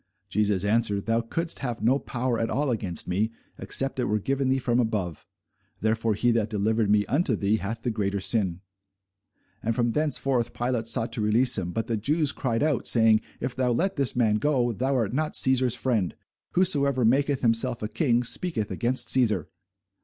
Jesus answered, Thou couldest have no power at all against me, except it were given thee from above: therefore he that delivered me unto thee hath the greater sin. And from thenceforth Pilate sought to release him: but the Jews cried out, saying, If thou let this man go, thou art not Cæsar's friend: whosoever maketh himself a king speaketh against Cæsar.